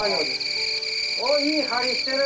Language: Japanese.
おっいい張りしてる。